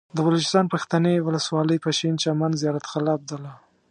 د بلوچستان پښتنې ولسوالۍ پشين چمن زيارت قلعه عبدالله